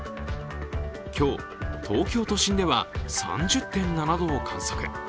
今日、東京都心では３０．７度を観測。